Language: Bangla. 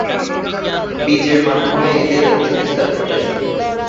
বীজের মাধ্যমে এদের বংশবিস্তার ঘটে।